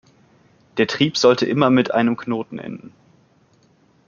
Der Trieb sollte immer mit einem Knoten enden.